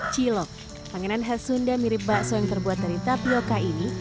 cilok panganan khas sunda mirip bakso yang terbuat dari tapioca ini